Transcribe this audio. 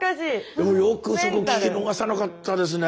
でもよくそこ聞き逃さなかったですね。